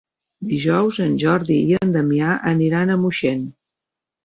Dijous en Jordi i en Damià aniran a Moixent.